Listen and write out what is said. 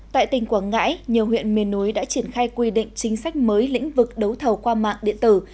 tại tỉnh quảng ngãi nhiều huyện miền núi đã triển khai quy định chính sách mới lĩnh vực đấu thầu qua mạng điện tử